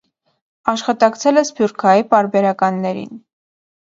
Աշխատակցել է սփյուռքահայ պարբերականներին։